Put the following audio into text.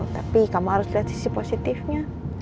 tapi kamu harus lihat sisi positifnya